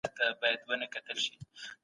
ژوند د امید څراغ دئ